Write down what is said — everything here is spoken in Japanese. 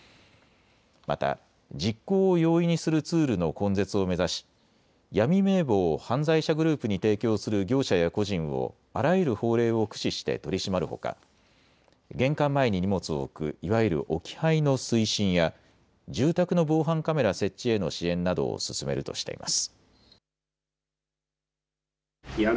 また実行を容易にするツールの根絶を目指し、闇名簿を犯罪者グループに提供する業者や個人をあらゆる法令を駆使して取り締まるほか玄関前に荷物を置くいわゆる置き配の推進や住宅の防犯カメラ設置への支援などを進めるとしています。